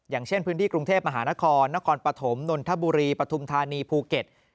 อย่างเช่นพื้นที่กรุงเทพมหานครนครปฐมนนทบุรีปฐุมธานีภูเก็ต